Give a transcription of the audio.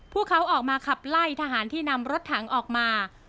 พวกเขาออกมาขับไล่ทหารที่นำรถถังออกมา